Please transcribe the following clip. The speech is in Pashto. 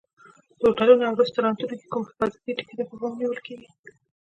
د هوټلونو او رستورانتونو کې کوم حفاظتي ټکي په پام کې نیول کېږي؟